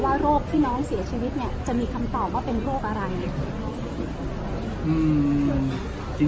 โรคที่น้องเสียชีวิตเนี่ยจะมีคำตอบว่าเป็นโรคอะไร